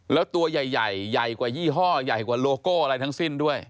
แล้วตัวใหญ่ใหญ่กว่ายี่ห้อใหญ่กว่าโลโก้อะไรทั้งสิ้นด้วย